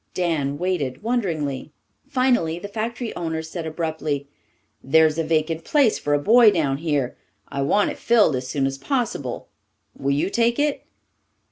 Dan waited wonderingly. Finally the factory owner said abruptly, "There's a vacant place for a boy down here. I want it filled as soon as possible. Will you take it?"